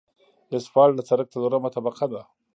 اسفالټ د سرک څلورمه طبقه ده